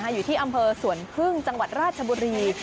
อยู่ที่อำเภอสวนพึ่งจังหวัดราชบุรี